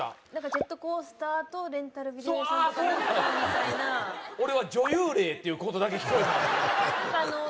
ジェットコースターとレンタルビデオ屋さんみたいな俺は女優霊っていうことだけ聞こえたんですよ